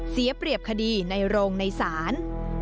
เสียเปรียบคดีในโรงในศาล